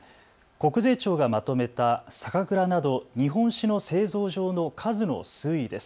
国税庁がまとめた酒蔵など日本酒の製造場の数の推移です。